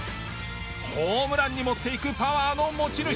ホームランに持っていくパワーの持ち主。